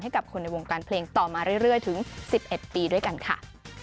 กับคนในวงการเพลงต่อมาเรื่อยถึง๑๑ปีด้วยกันค่ะ